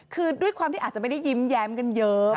คืออาจจะไม่ได้ยิ้มแยมเยอะ